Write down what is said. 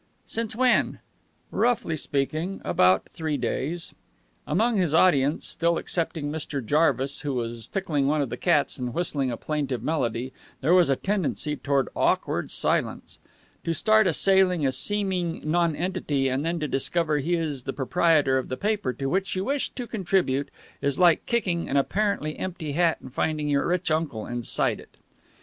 "Since when?" "Roughly speaking, about three days." Among his audience (still excepting Mr. Jarvis, who was tickling one of the cats and whistling a plaintive melody) there was a tendency toward awkward silence. To start assailing a seeming nonentity and then to discover he is the proprietor of the paper to which you wish to contribute is like kicking an apparently empty hat and finding your rich uncle inside it.